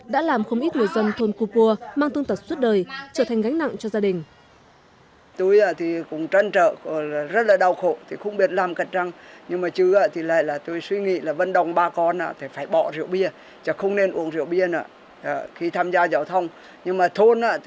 đã làm không ít người dân thôn cô pua mang thương tật suốt đời trở thành gánh nặng cho gia đình